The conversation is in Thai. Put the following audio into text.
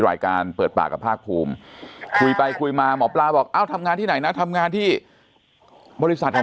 รายการเปิดปากกับภาคภูมิคุยไปคุยมาหมอปลาบอกเอ้าทำงานที่ไหนนะทำงานที่บริษัทแห่ง